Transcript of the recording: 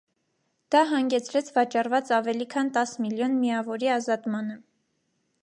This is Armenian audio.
Դա հանգեցրեց վաճառված ավելի քան տաս միլիոն միավորի ազատմանը։